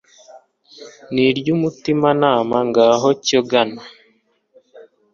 n'iry'umutimanama, ngaho, cyo gana